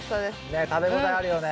ねっ食べ応えあるよね。